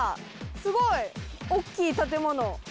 すごい！大っきい建物。